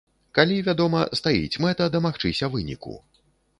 Калі, вядома, стаіць мэта дамагчыся выніку.